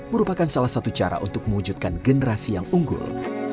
merupakan salah satu cara untuk mewujudkan generasi yang unggul